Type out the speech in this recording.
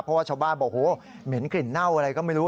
เพราะว่าชาวบ้านบอกโหเหม็นกลิ่นเน่าอะไรก็ไม่รู้